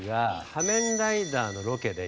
『仮面ライダー』のロケで。